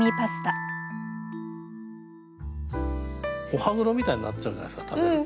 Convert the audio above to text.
お歯黒みたいになっちゃうじゃないですか食べると。